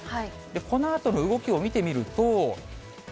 このあとの動きを見てみると。